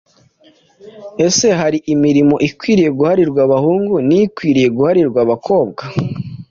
Ese hari imirimo ikwiye guharirwa abahungu n’ikwiriye guharirwa abakobwa?